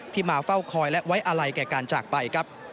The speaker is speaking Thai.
มาเฝ้าคอยและไว้อาลัยแก่การจากไปครับ